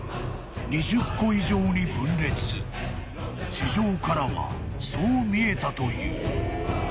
［地上からはそう見えたという］